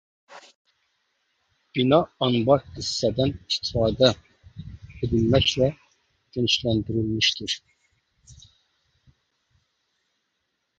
Bina anbar hissədən istifadə edilməklə genişləndirilmişdir.